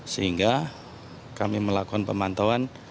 sehingga kami melakukan pemantauan